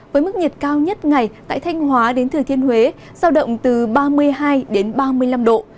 với mức nhiệt cao nhất ngày tại thanh hóa đến thừa thiên huế giao động từ ba mươi hai đến ba mươi năm độ